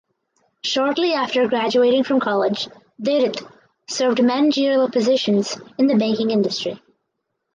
Shortly after graduating from college Dayrit served managerial positions in the banking industry.